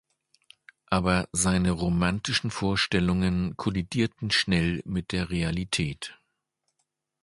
Aber seine romantischen Vorstellungen kollidierten schnell mit der Realität.